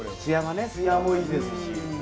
つやもいいですし。